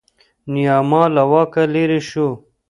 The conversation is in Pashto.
نیاما له واکه لرې شو.